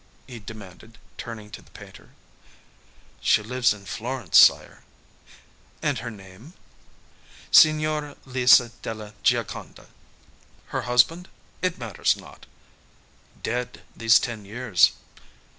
he demanded, turning to the painter. "She lives in Florence, sire." "And her name?" "Signora Lisa della Gioconda." "Her husband? It matters not." "Dead these ten years."